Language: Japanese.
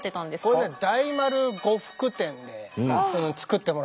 これね大丸呉服店で作ってもらった。